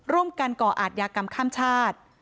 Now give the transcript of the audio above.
ร่วมการก่ออาทยากรรมข้ามชาติ